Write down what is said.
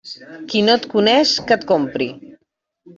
Qui no et coneix, que et compri.